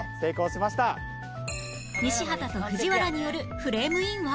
西畑と藤原によるフレームインは